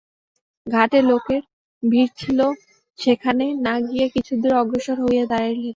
ঘাটে লোকের ভিড় ছিল সেখানে না গিয়া কিছু দূরে অগ্রসর হইয়া দাঁড়াইলেন।